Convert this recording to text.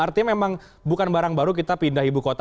artinya memang bukan barang baru kita pindah ibu kota